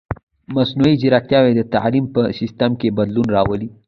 مصنوعي ځیرکتیا د تعلیم په سیستم کې بدلون راولي.